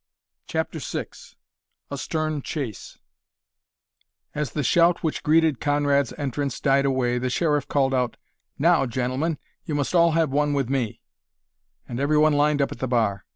CHAPTER VI A STERN CHASE As the shout which greeted Conrad's entrance died away the Sheriff called out, "Now, gentlemen, you must all have one with me," and every one lined up at the bar.